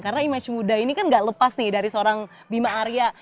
karena image muda ini kan enggak lepas nih dari seorang bima arya